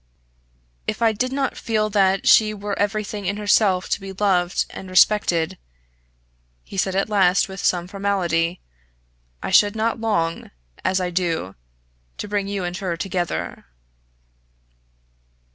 "If I did not feel that she were everything in herself to be loved and respected" he said at last with some formality "I should not long, as I do, to bring you and her together."